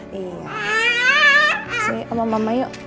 kasih om mama yuk